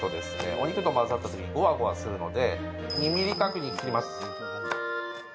お肉と混ざったときにごわごわするので２ｍｍ角に切ります。